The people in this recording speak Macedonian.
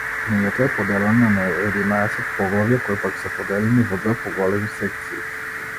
Книгата е поделена на единаесет поглавја, кои пак се поделени во две поголеми секции.